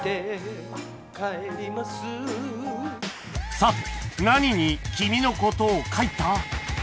さて何に君の事を書いた？